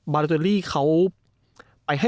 บารุเตอรี่เขา